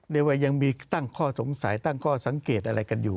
เรียกว่ายังมีตั้งข้อสงสัยตั้งข้อสังเกตอะไรกันอยู่